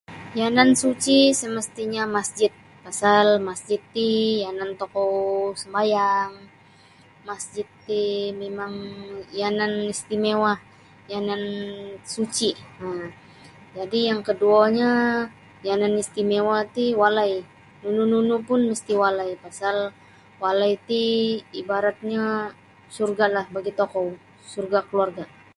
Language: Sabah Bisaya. Yanan suci semestinyo masjid pasal masjid ti yanan tokou sumbayang masjid ti mimang yanan istimewa yanan suci um jadi yang koduonyo yanan istimewa ti walai nunu nunu pun misti walai pasal walai ti ibaratnyo surga bagi tokou surga keluarga.